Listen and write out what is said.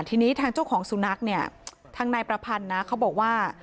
ทีนี้ทางเจ้าของสุนัขเนี่ยทางนายประพันธ์นะเขาบอกว่า